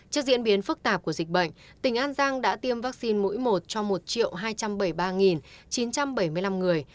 trước diễn biến phức tạp của dịch bệnh tỉnh an giang đã tiêm vaccine mũi một cho một hai trăm bảy mươi ba chín trăm bảy mươi năm người